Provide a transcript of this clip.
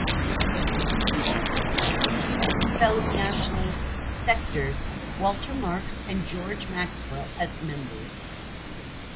It also counted Hughes's fellow Nationalist defectors Walter Marks and George Maxwell as members.